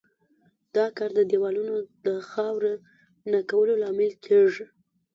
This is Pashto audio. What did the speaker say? دا کار د دېوالونو د خاوره نه کولو لامل کیږي.